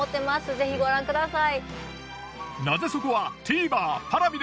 ぜひご覧ください。